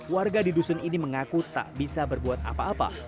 warga di dusun ini mengaku tak bisa berbuat apa apa